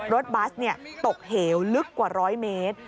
บัสตกเหวลึกกว่า๑๐๐เมตร